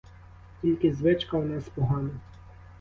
Тільки звичка у нас погана.